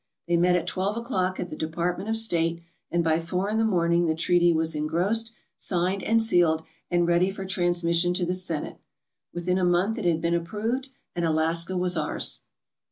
They met at twelve o'clock at the Department of State and by four in the morning the treaty was engrossed, signed and sealed, and ready for transmission to the Senate. Within a month it had been approved and Alaska was ours.